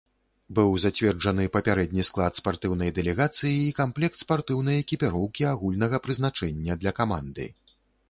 Быў зацверджаны папярэдні склад спартыўнай дэлегацыі і камплект спартыўнай экіпіроўкі агульнага прызначэння для каманды.